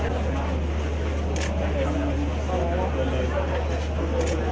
เมืองอัศวินธรรมดาคือสถานที่สุดท้ายของเมืองอัศวินธรรมดา